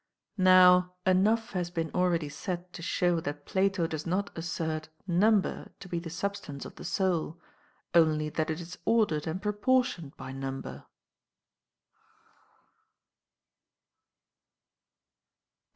Now enough has been already said to show that Plato does not assert number to be the substance of the soul, only that it is ordered and proportioned by number.